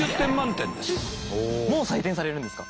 もう採点されるんですか？